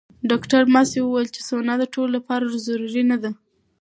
ډاکټره ماسي وویل چې سونا د ټولو لپاره ضروري نه ده.